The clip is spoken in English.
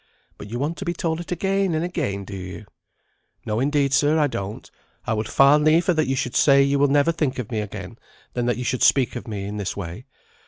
But you want to be told it again and again, do you?" "No, indeed, sir, I don't. I would far liefer that you should say you will never think of me again, than that you should speak of me in this way.